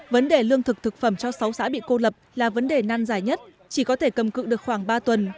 vấn đề lương thực thực phẩm cho sáu xã bị cô lập là vấn đề nan dài nhất chỉ có thể cầm cự được khoảng ba tuần